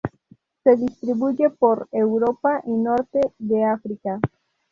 Se distribuye por Europa y Norte de África.